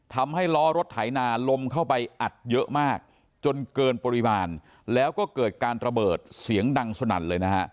ทำให้ล้อรถไถนาลมเข้าไปอัดเยอะมากจนเกินปริมาณแล้วก็เกิดการระเบิดเสียงดังสนั่นเลยนะฮะ